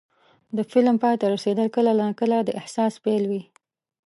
د فلم پای ته رسېدل کله ناکله د احساس پیل وي.